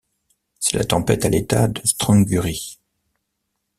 C’est la tempête à l’état de strangurie.